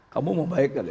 kamu mau baik